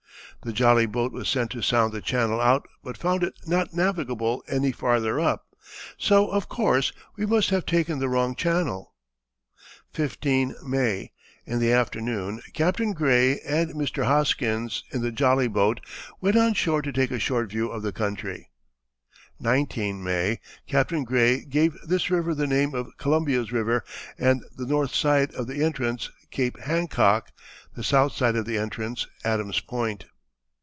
"The jolly boat was sent to sound the channel out but found it not navigable any farther up; so, of course, we must have taken the wrong channel. "15 (May). ... In the afternoon Capt. Gray and Mr. Hoskins in the jolly boat went on shore to take a short view of the country.... "19 (May). ... Capt. Gray gave this river the name of Columbia's river, and the north side of the entrance Cape Hancock, the south side of the entrance, Adams Point."